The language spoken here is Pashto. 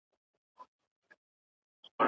استاد یوازي د مقالي لومړۍ بڼه اصلاح کوي.